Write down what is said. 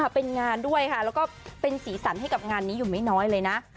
เป็นงานด้วยค่ะแล้วก็เป็นสีสันให้กับงานนี้อยู่ไม่น้อยเลยนะ